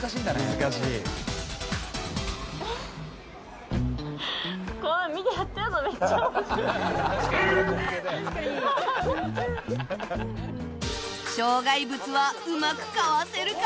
「難しい」障害物はうまくかわせるか？